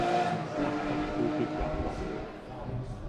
德不孤必有鄰